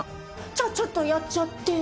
ちゃちゃっとやっちゃって。